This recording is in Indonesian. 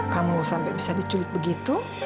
kamu sampai bisa diculik begitu